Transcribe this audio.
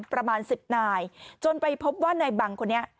ประมาณ๑๐นายจนไปพบว่านายบังคนนี้